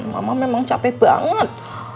mama memang capek banget